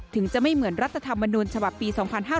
ถึงจะไม่เหมือนรัฐธรรมนูญฉบับปี๒๕๕๙